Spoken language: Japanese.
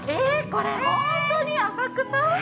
これ、本当に浅草？